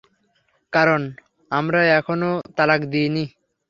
কারণ আমরা এখনও তালাক দিইনি!